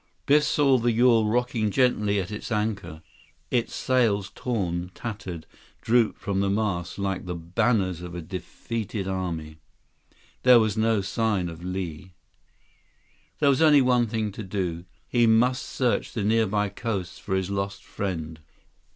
Biff saw the yawl rocking gently at its anchor. Its sails torn, tattered, drooped from the masts like the banners of a defeated army. There was no sign of Li. There was only one thing to do. He must search the nearby coast for his lost friend.